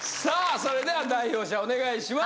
それでは代表者お願いします